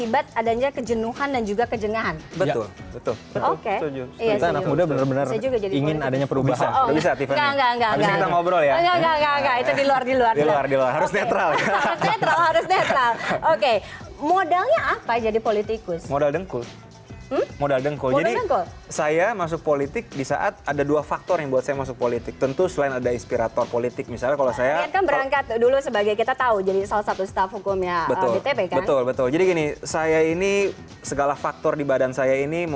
berita terkini dari kpum